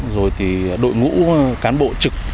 rồi thì đội ngũ cán bộ trực